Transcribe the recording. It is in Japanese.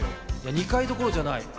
２回どころじゃない。